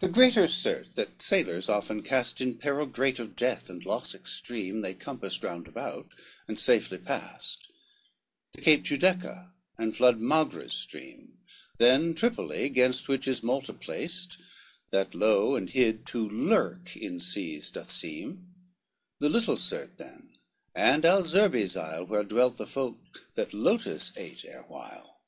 XVIII The greater Syrte, that sailors often cast In peril great of death and loss extreme, They compassed round about, and safely passed, The Cape Judeca and flood Magra's stream; Then Tripoli, gainst which is Malta placed, That low and hid, to lurk in seas doth seem: The little Syrte then, and Alzerhes isle, Where dwelt the folk that Lotos ate erewhile.